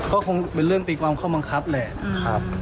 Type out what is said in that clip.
ก็คงเป็นเรื่องตีความข้อบังคับแหละครับ